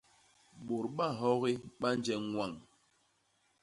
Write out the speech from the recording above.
Bôt bahogi ba nje ñwañ.